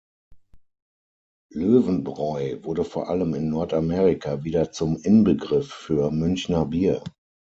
Löwenbräu wurde vor allem in Nordamerika wieder zum Inbegriff für Münchner Bier.